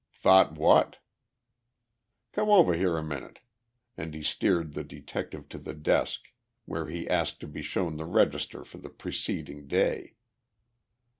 "Thought what?" "Come over here a minute," and he steered the detective to the desk, where he asked to be shown the register for the preceding day.